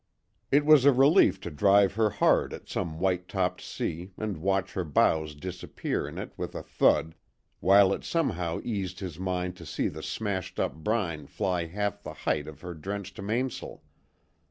It was a relief to drive her hard at some white topped sea, and watch her bows disappear in it with a thud, while it somehow eased his mind to see the smashed up brine fly half the height of her drenched mainsail.